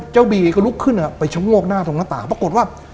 บีก็ลุกขึ้นไปชะโงกหน้าตรงหน้าต่างปรากฏว่า